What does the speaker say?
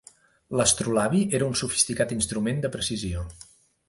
L'astrolabi era un sofisticat instrument de precisió.